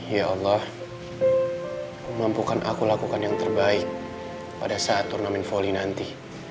ya allah mampukan aku lakukan yang terbaik pada saat turnamen volley nanti